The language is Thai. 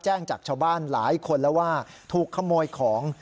แจ้งจากชาวบ้านหลายคนแล้วว่าถูกขโมยของ